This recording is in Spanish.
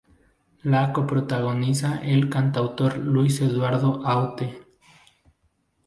La coprotagoniza el cantautor Luis Eduardo Aute.